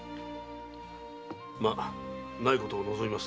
まないことを望みますな。